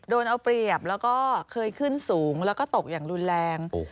โดนเอาเปรียบแล้วก็เคยขึ้นสูงแล้วก็ตกอย่างรุนแรง